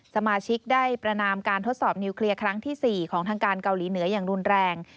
สมาชิกได้ประนามการทดสอบนิวเคลียร์ครั้งที่๔ของทางการเกาหลีเหนืออย่างรุนแรง